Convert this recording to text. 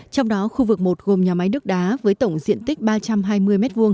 trong đó khu vực một gồm nhà máy đức đá với tổng diện tích ba trăm hai mươi m hai